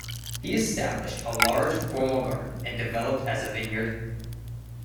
He established a large formal garden and developed as a vineyard.